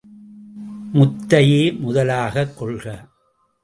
முத்தையே முதலாகக் கொள்க!